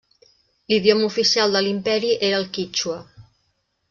L'idioma oficial de l'imperi era el quítxua.